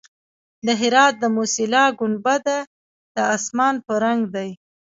د هرات د موسیلا ګنبد د اسمان په رنګ دی